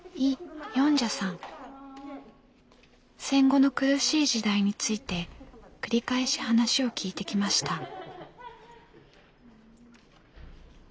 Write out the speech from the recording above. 戦後の苦しい時代について繰り返し話を聞いてきました。